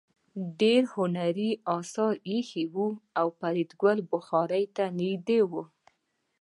ډېر هنري اثار ایښي وو او فریدګل بخارۍ ته نږدې و